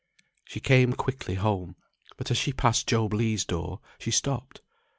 She came quickly home; but as she passed Job Legh's door, she stopped.